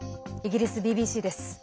イギリスＢＢＣです。